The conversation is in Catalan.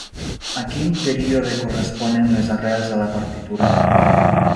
A quin període corresponen les arrels de la partitura?